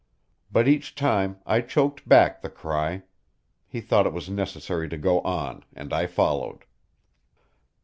But each time I choked back the cry; he thought it was necessary to go on and I followed.